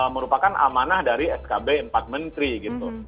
merupakan amanah dari skb empat menteri gitu